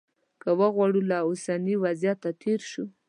که وغواړو له اوسني وضعیته تېر شو.